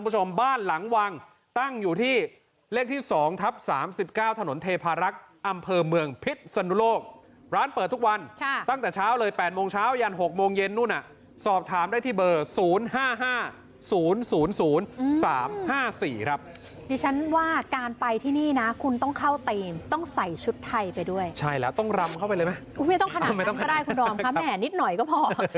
เจอเมืองพิษสนุโลกร้านเปิดทุกวันตั้งแต่เช้าเลย๘โมงเช้ายัน๖โมงเย็นนู้นสอบถามได้ที่เบอร์๐๕๕๐๐๐๓๕๔ครับดิฉันว่าการไปที่นี่นะคุณต้องเข้าเตรียมต้องใส่ชุดไทยไปด้วยใช่แล้วต้องรำเข้าไปเลยไหมไม่ต้องขนาดนั้นก็ได้คุณรอมครับแหมนิดหน่อยก็พอ